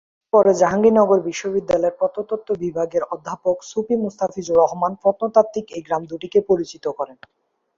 পরে জাহাঙ্গীরনগর বিশ্ববিদ্যালয়ের প্রত্নতত্ত্ব বিভাগের অধ্যাপক সুফি মোস্তাফিজুর রহমান প্রত্নতাত্ত্বিক এই গ্রাম দুটিকে পরিচিত করেন।